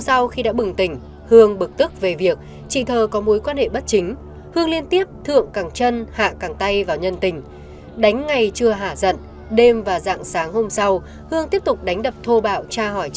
xin chào và hẹn gặp lại